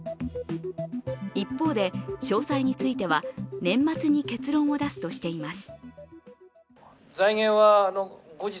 一方で、詳細については年末に結論を出すとしています。